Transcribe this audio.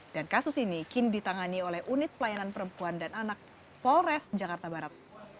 dan kasus ini kini ditangani oleh unit pelayanan perempuan dan anak polres jakarta barat